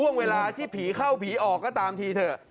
กว้างเวลาจะมีภีร์เข้าภีร์ออกก็ตามที่เถอะ